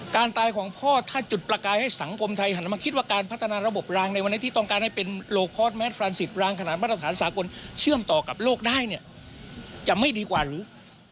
การตายของพ่อถ้าจุดประกายให้สังคมไทยหันมาคิดว่าการพัฒนาระบบรางในวันนี้ที่ต้องการให้เป็นโลคอร์สแมสฟรานซิสรางขนาดมาตรฐานสากลเชื่อมต่อกับโลกได้เนี่ยจะไม่ดีกว่าหรือ